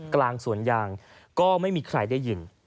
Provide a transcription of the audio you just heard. กลางสวนยางก็ไม่มีใครได้ยิน